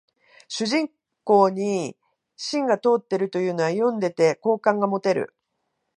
主人公に芯が通ってるというのは読んでて好感が持てる